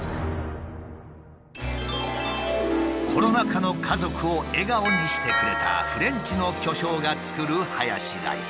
コロナ禍の家族を笑顔にしてくれたフレンチの巨匠が作るハヤシライス。